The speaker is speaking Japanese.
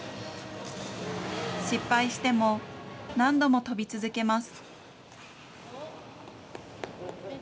失敗しても何度も跳び続けます。